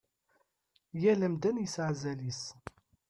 Yal amdan yesɛa azal-is.